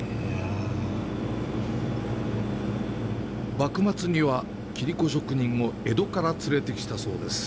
幕末には切子職人を江戸から連れてきたそうです。